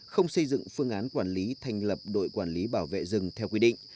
không xây dựng phương án quản lý thành lập đội quản lý bảo vệ rừng theo quy định